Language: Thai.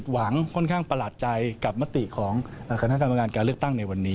ดักตัวสดลัทย์ของเครื่องวง